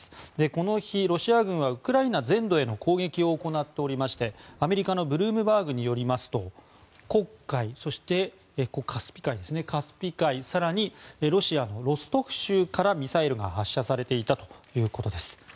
この日、ロシア軍はウクライナ全土への攻撃を行っておりましてアメリカのブルームバーグによりますと黒海、そしてカスピ海更に、ロシアのロストフ州からミサイルが発射されていたということです。